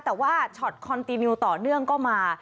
แต่ว่าช็อตคอนติมิวต่อเนื่องก็มา